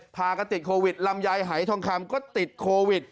พากันติดโควิดลำไยหายทองคำก็ติดโควิด